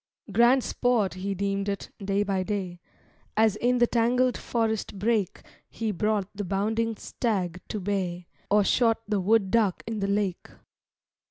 Grand sport he deemed it, day by day, As in the tangled forest brake He brought the bounding stag to bay, Or shot the wood duck in the lake.